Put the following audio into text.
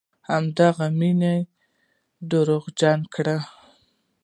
هغه مينې ته ورږغ کړه.